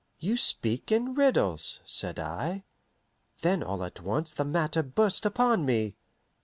"You speak in riddles," said I. Then all at once the matter burst upon me.